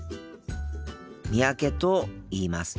三宅と言います。